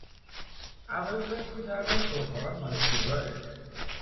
اوایل فکر می کردم سرفه هات مال سیگاره